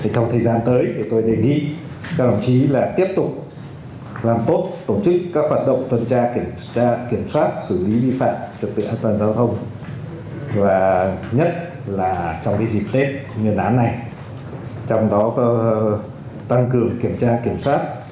trong dịp tết nguyên đán này trong đó có tăng cường kiểm tra kiểm soát